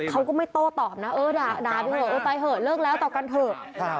เขาก็ไม่โต้ตอบนะเออด่าไปเถอะเออไปเถอะเลิกแล้วต่อกันเถอะ